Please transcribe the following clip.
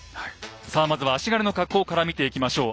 さあまずは足軽の格好から見ていきましょう。